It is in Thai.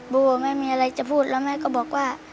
โบไม่มีอะไรจะพูดแล้วแม่ก็บอกว่า